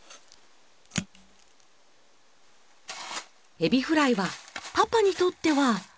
エビフライはパパにとっては母の味。